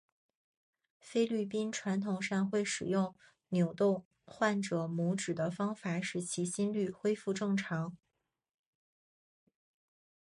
菲律宾传统上会使用扭动患者拇趾的方法使其心律恢复正常。